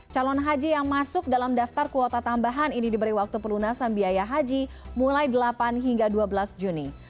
calon haji yang masuk dalam daftar kuota tambahan ini diberi waktu pelunasan biaya haji mulai delapan hingga dua belas juni